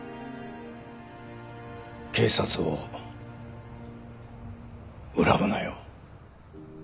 警察を恨むなよ。